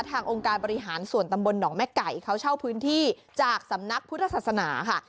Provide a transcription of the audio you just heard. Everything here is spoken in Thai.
องค์การบริหารส่วนตำบลหนองแม่ไก่เขาเช่าพื้นที่จากสำนักพุทธศาสนาค่ะ